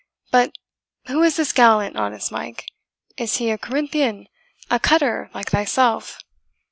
But who is this gallant, honest Mike? is he a Corinthian a cutter like thyself?"